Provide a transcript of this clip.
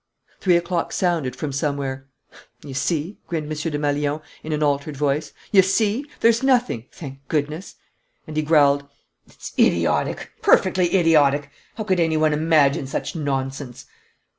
Three o'clock sounded from somewhere. "You see," grinned M. Desmalions, in an altered voice, "you see! There's nothing, thank goodness!" And he growled: "It's idiotic, perfectly idiotic! How could any one imagine such nonsense!"